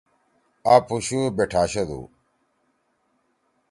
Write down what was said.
آ پوشو بِٹھاشہ دو۔